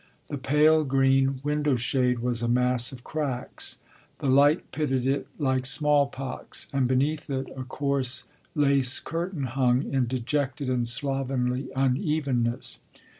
The pale green window shade was a mass of cracks the light pitted it like smallpox and be neath it a coarse lace curtain hung in dejected and slovenly unevenness.